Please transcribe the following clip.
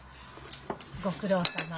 ご苦労さま。